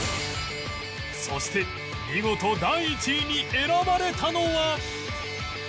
そして見事第１位に選ばれたのは